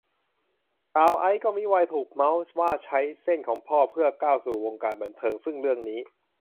สาวไอซ์ก็มิวายถูกเมาท์ว่าใช้เส้นของพ่อเพื่อก้าวเข้าสู่วงการบันเทิง ซึ่งเรื่องนี้